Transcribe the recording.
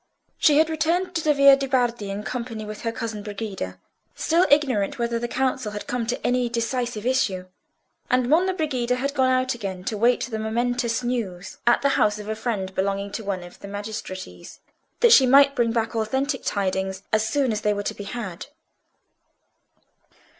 She had returned to the Via de' Bardi in company with her cousin Brigida, still ignorant whether the council had come to any decisive issue; and Monna Brigida had gone out again to await the momentous news at the house of a friend belonging to one of the magistracies, that she might bring back authentic tidings as soon as they were to be had.